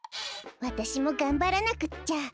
わたしもがんばらなくっちゃ。